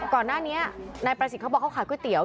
ก่อนหน้านี้นายประสิทธิ์เขาบอกเขาขายก๋วยเตี๋ย